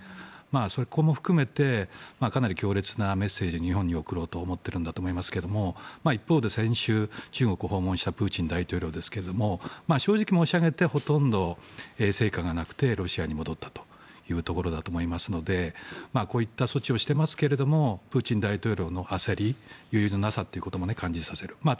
そこも含めてかなり強烈なメッセージを日本に送ろうと思っているんだと思いますが一方で先週、中国を訪問したプーチン大統領ですが正直申し上げてほとんど成果がなくてロシアに戻ったというところだと思いますのでこういった措置をしていますがプーチン大統領の焦り余裕のなさということも感じさせるものですね。